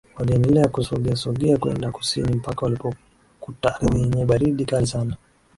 Waliendelea kusogeasogea kwenda kusini mpaka walipokuta ardhi yenye baridi kali sana